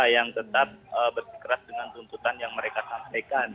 yang tetap bersikeras dengan tuntutan yang mereka sampaikan